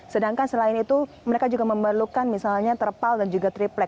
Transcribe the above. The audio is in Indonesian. sedangkan selain itu mereka juga memerlukan misalnya terpal dan juga triplek